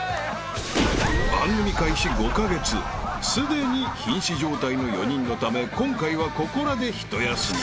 ［番組開始５カ月すでに瀕死状態の４人のため今回はここらで一休み］